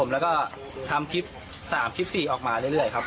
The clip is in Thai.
แล้วก็ทำคลิป๓คลิป๔ออกมาเรื่อยครับ